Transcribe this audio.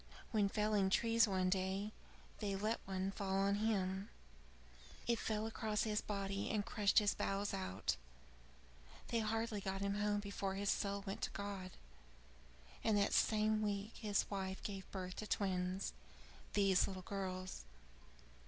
When felling trees one day, they let one fall on him. It fell across his body and crushed his bowels out. They hardly got him home before his soul went to God; and that same week his wife gave birth to twins these little girls.